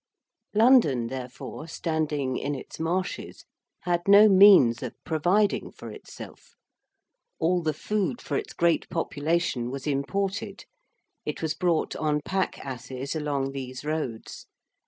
London, therefore, standing in its marshes had no means of providing for itself. All the food for its great population was imported. It was brought on pack asses along these roads.